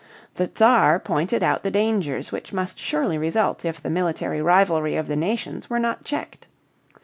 The Czar pointed out the dangers which must surely result if the military rivalry of the nations were not checked.